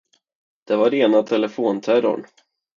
Det var rena telefonterrorn.